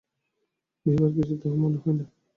বিভার কিছুতেই তাহা মনে হয় না কেন?